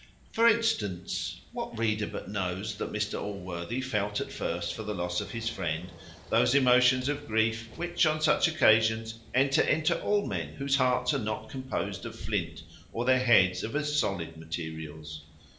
For instance, what reader but knows that Mr Allworthy felt, at first, for the loss of his friend, those emotions of grief, which on such occasions enter into all men whose hearts are not composed of flint, or their heads of as solid materials?